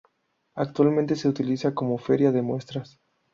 Actualmente se utiliza como feria de muestras.